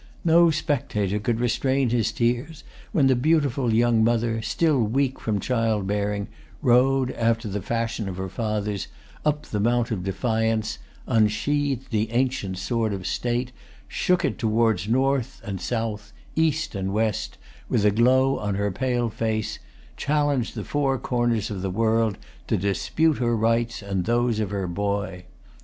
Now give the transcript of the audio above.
No spectator could restrain his tears when the beautiful young mother, still weak from child bearing, rode, after the fashion of her fathers, up the Mount of Defiance, unsheathed the ancient sword of state, shook it towards north and south, east and west, and, with a glow on her pale face, challenged the four corners of the world to dispute her rights and those of her boy.